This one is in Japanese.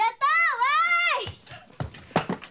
わい！